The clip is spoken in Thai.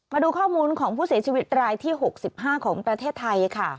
มาดูข้อมูลของผู้เสียชีวิตรายที่๖๕ของประเทศไทยค่ะ